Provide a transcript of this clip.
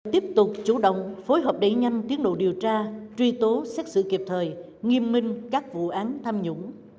tiếp tục chủ động phối hợp đẩy nhanh tiến độ điều tra truy tố xét xử kịp thời nghiêm minh các vụ án tham nhũng